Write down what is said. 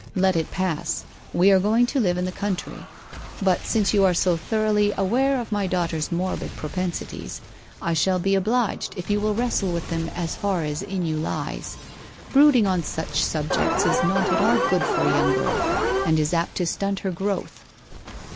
' Let it pass. We are going to live in the country. But, since you are so thoroughly aware of my daughter's morbid propensities, I shall be obliged if you will wrestle with them as far as in you lies. Brooding on such subjects is not at all good for a young girl, and is apt to stunt her growth.'